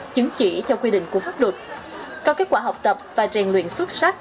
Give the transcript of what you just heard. chứng chỉ theo quy định của pháp luật có kết quả học tập và rèn luyện xuất sắc